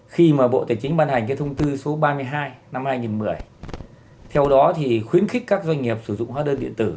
khi mà bộ tài chính ban hành cái thông tư số ba mươi hai năm hai nghìn một mươi theo đó thì khuyến khích các doanh nghiệp sử dụng hóa đơn điện tử